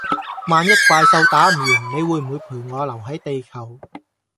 萬一怪獸打唔完，你會不會陪我留係地球？